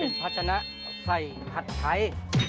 เป็นพัชนะใส่ผัดไทย